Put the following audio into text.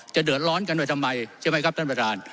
เดือดร้อนกันไปทำไมใช่ไหมครับท่านประธาน